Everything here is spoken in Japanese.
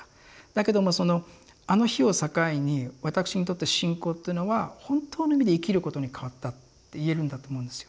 だけどもそのあの日を境に私にとって信仰っていうのは本当の意味で生きることに変わったって言えるんだと思うんですよ。